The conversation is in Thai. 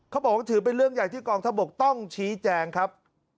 เขาบอกว่าถือเป็นเรื่องใหญ่ที่กองทบกต้องชี้แจงครับ